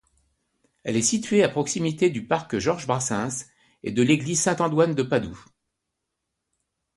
Elle est située à proximité du parc Georges-Brassens et de l’église Saint-Antoine-de-Padoue.